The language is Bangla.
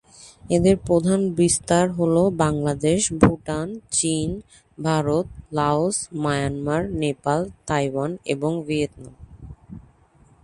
এদের প্রধান বিস্তার হল বাংলাদেশ, ভুটান, চীন, Bharat, Laos, Myanmar, Nepal, Taiwan এবং ভিয়েতনাম।